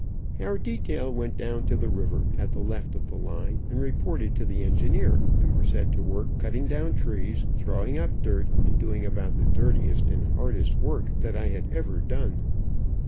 Our detail went down to the river, at the left of the line, and reported to the engineer, and were set to work cutting down trees, throwing up dirt, and doing about the dirtiest and hardest work that I had ever done.